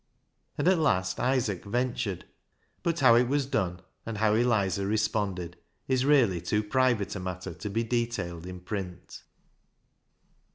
And at last Isaac ventured ; but how it was done, and how Eliza responded is really too private a matter to be detailed in print.